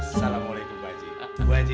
assalamualaikum pak haji bu haji